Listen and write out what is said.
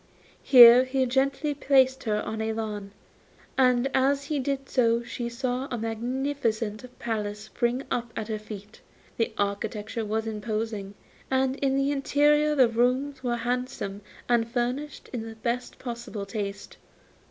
Here he gently placed her on a lawn, and as he did so she saw a magnificent palace spring up at her feet. The architecture was imposing, and in the interior the rooms were handsome and furnished in the best possible taste.